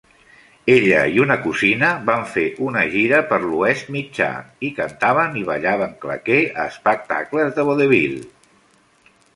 Ella i una cosina van fer una gira per l'Oest Mitjà i cantaven i ballaven claqué a espectacles de vodevil.